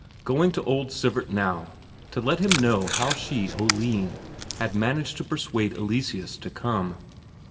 Going to old Sivert now, to let him know how she, Oline, had managed to persuade Eleseus to come.